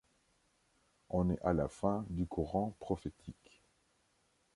On est à la fin du courant prophétique.